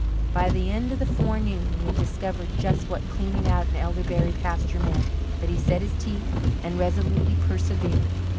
By the end of the forenoon he had discovered just what cleaning out an elderberry pasture meant, but he set his teeth and resolutely persevered.